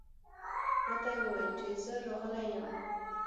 راته یې وویل چې زه راغلی یم.